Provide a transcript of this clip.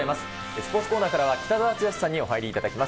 スポーツコーナーからは北澤豪さんにお入りいただきます。